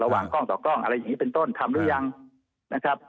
วางกล้องต่อกล้องอะไรอย่างนี้เป็นต้นทำหรือยังนะครับ